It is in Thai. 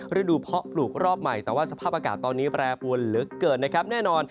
ฤดูเพาะปลูกรอบใหม่แต่ว่าสภาพอากาศตอนนี้แปรปวนเหลือเกินนะครับแน่นอน